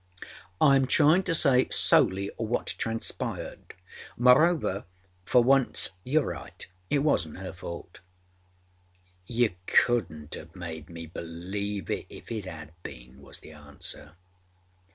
Iâm trying to say solely what transpired. Mârover, for once youâre right. It wasnât her fault.â âYou couldnât âavenât made me believe it if it âad been,â was the answer.